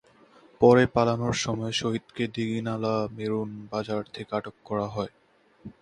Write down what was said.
পরে পালানোর সময় শহীদকে দীঘিনালা মেরুং বাজার থেকে আটক করা হয়।